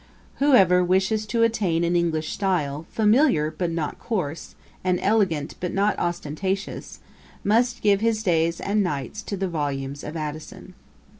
Whoever wishes to attain an English style, familiar but not coarse, and elegant but not ostentatious, must give his days and nights to the volumes of Addison.'